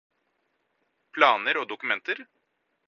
Planer og dokumenter